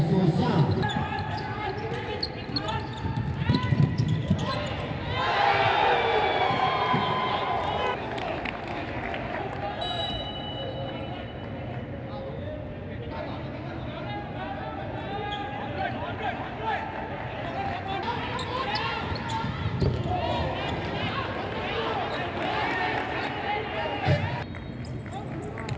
สวัสดีครับ